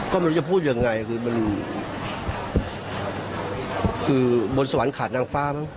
ก็มันจะพูดยังไงมันคือบนสวรรค์ขาดงนองฟ้า